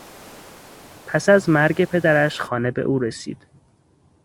پس از مرگ پدرش خانه به او رسید.